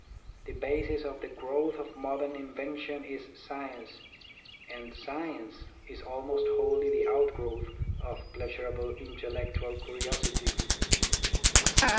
The basis of the growth of modern invention is science, and science is almost wholly the out growth of pleasurable intellectual curiosity.